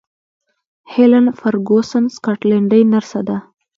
هیلن فرګوسن سکاټلنډۍ نرسه ده.